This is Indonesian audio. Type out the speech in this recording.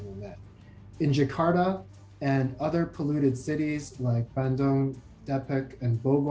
di jakarta dan kota kota yang terlalu terpenuhi seperti bandung depok dan bogor